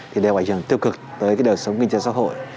thì đều phải trường tiêu cực tới đời sống kinh tế xã hội